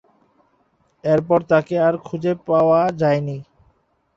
এরপর তাকে আর খুঁজে পাওয়া যায়নি।